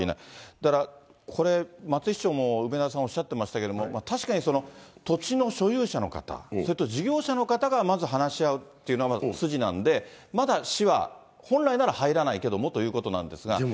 だからこれ、松井市長も梅沢さん、おっしゃっていましたけれども、確かにその土地の所有者の方、それと事業者の方がまず話し合うというのが筋なんで、まだ市は、本来なら入らないけどもということなんですけども。